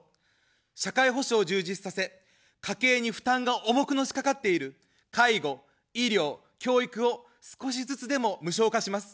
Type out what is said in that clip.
社会保障を充実させ、家計に負担が重くのしかかっている介護、医療、教育を少しずつでも無償化します。